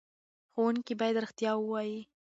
ښوونکي باید رښتیا ووايي.